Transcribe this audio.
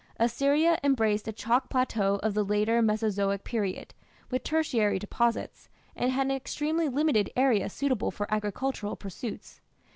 Assyria embraced a chalk plateau of the later Mesozoic period, with tertiary deposits, and had an extremely limited area suitable for agricultural pursuits.